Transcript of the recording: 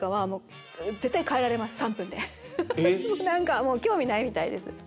何かもう興味ないみたいです。